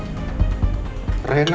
nino adalah anaknya roy